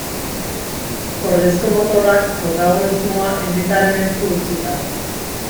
Ordezko motorrak, protagonismoa herritarren esku utzita.